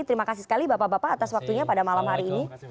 terima kasih sekali bapak bapak atas waktunya pada malam hari ini